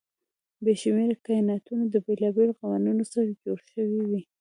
بې شمېره کایناتونه د بېلابېلو قوانینو سره جوړ شوي وي.